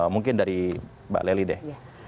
mungkin dari mbak lely deh